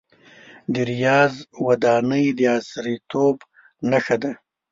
د ریاض ودانۍ د عصریتوب نښه ده.